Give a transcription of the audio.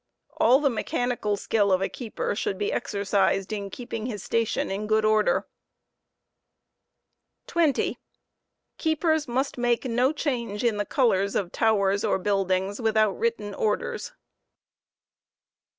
All the mechanical skill of a keeper should be exercised in keeping his station in good order. ^^ change in coi 20. Keepers must make no change in the color of towers or buildings withfrftt when niado? 1168 ' written orders.